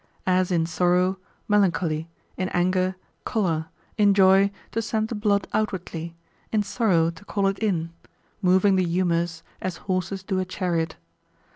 As in sorrow, melancholy; in anger, choler; in joy, to send the blood outwardly; in sorrow, to call it in; moving the humours, as horses do a chariot.